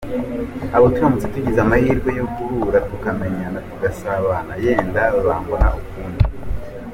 Abo turamutse tugize amahirwe yo guhura, tukamenyana, tugasabana, yenda bambona ukundi.